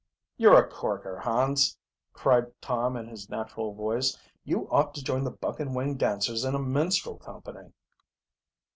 "You're a corker, Hans!" cried Tom in his natural voice. "You ought to join the buck and wing dancers in a minstrel company."